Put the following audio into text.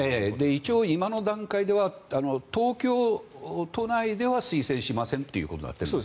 一応今の段階では東京都内では推薦しませんということです。